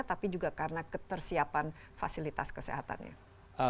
tapi juga karena ketersiapan fasilitas kesehatannya